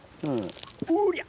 おりゃ。